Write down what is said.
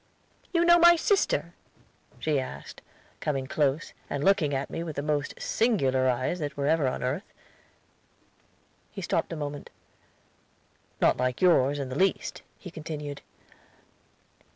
"'You know my sister?' she asked, coming close, and looking at me with the most singular eyes that were ever on earth." He stopped a moment. "Not like yours, in the least," he continued.